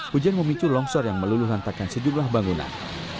hujan memicu longsor yang meluluh lantakan sejumlah bangunan